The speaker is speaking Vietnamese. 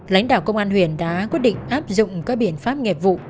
lãnh đạo công an huyện đã quyết định áp dụng các biện pháp nghiệp vụ